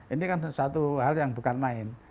ini kan satu hal yang bukan main